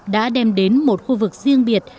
đã đem đến một khu vực riêng biệt